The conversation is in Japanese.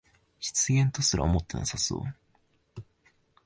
失言とすら思ってなさそう